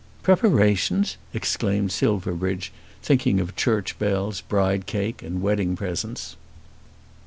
"Preparations!" exclaimed Silverbridge, thinking of church bells, bride cake, and wedding presents.